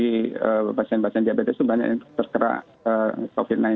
di pasien pasien diabetes itu banyak yang terkena covid sembilan belas